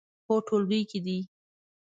هو، ټولګي کې دی